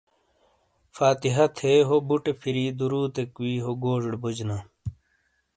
فاتحہ تھے ہو بُٹے پھِیری درودیک وی ہو گوجوڑے بوجینا۔